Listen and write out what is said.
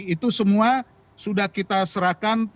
itu semua sudah kita serahkan